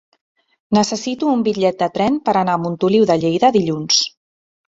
Necessito un bitllet de tren per anar a Montoliu de Lleida dilluns.